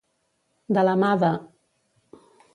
De la mà de.